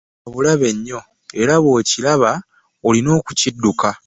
Ekibe kya bulabe nnyo era bw'okiraba olina okukidduka.